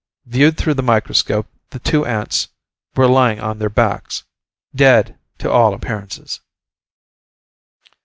Viewed through the microscope, the two ants were lying on their backs ... dead, to all appearances.